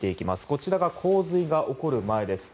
こちらが洪水が起きる前です。